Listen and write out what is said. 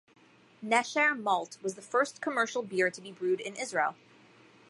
Nesher Malt was the first commercial beer to be brewed in Israel.